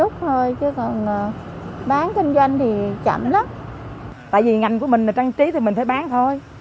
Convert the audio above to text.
tại vì ngành của mình là trang trí thì mình phải bán thôi